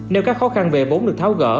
nếu các khó khăn về vốn được tháo gỡ